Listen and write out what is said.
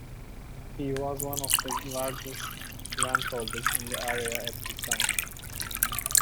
He was one of the largest land-holders in the area at the time.